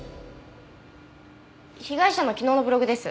被害者の昨日のブログです。